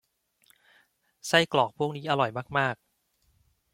ไส้กรอกพวกนี้อร่อยมาก ๆ